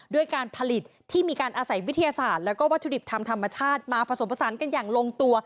ด้วยการผลิตที่มีการอาศัยวิทยาศาสตร์แล้วก็วัตถุดิบทางธรรมชาติมาผสมผสานกันอย่างลงตัว